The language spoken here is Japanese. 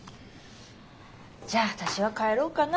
じゃあ私は帰ろうかな。